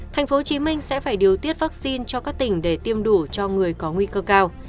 tp hcm sẽ phải điều tiết vaccine cho các tỉnh để tiêm đủ cho người có nguy cơ cao